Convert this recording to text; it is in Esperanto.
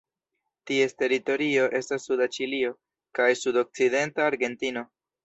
Ties teritorio estas suda Ĉilio kaj sudokcidenta Argentino.